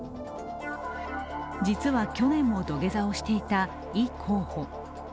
実は去年も土下座をしていたイ候補。